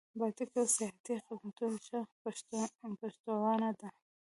بانکي او سیاحتي خدمتونه ښه پشتوانه ده.